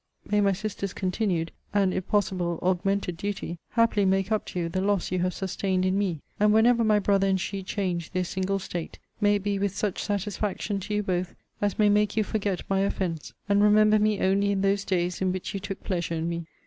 May my sister's continued, and, if possible, augmented duty, happily make up to you the loss you have sustained in me! And whenever my brother and she change their single state, may it be with such satisfaction to you both as may make you forget my offence; and remember me only in those days in which you took pleasure in me!